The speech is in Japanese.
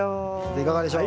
いかがでしょう？